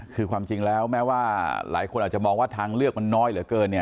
คือความจริงแล้วแม้ว่าหลายคนอาจจะมองว่าทางเลือกมันน้อยเหลือเกินเนี่ย